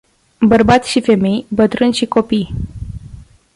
Bărbați și femei, bătrâni și copii.